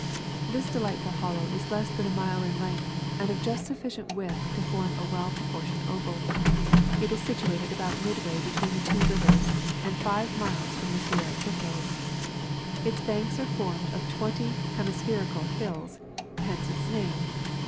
This delightful Hollow is less than a mile in length, and of just sufficient width to form a well proportioned oval. It is situated about midway between the two rivers, and five miles from the Sierra foothills. Its banks are formed of twenty hemispherical hills; hence its name.